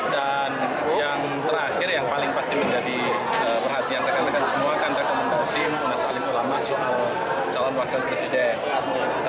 dan yang terakhir yang paling pasti menjadi perhatian rekan rekan semua kan rekomendasi munas alim ulama soal calon wakil presiden